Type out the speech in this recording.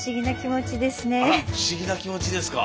不思議な気持ちですね。